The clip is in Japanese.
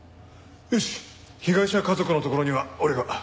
よし被害者家族のところには俺が。